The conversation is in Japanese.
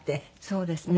そうですね。